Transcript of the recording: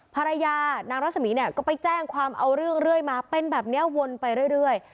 ภรรยานางรัศมีร์เนี่ยก็ไปแจ้งความเอาเรื่องเรื่อยมาเป็นแบบนี้วนไปเรื่อย